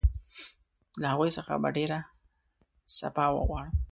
له هغوی څخه به ډېر سپاه وغواړم.